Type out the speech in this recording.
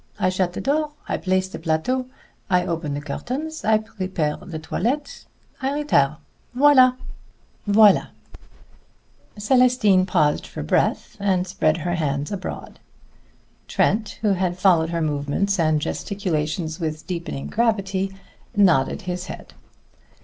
I shut the door. I place the plateau I open the curtains I prepare the toilette I retire voilà!" Célestine paused for breath, and spread her hands abroad. Trent, who had followed her movements and gesticulations with deepening gravity, nodded his head.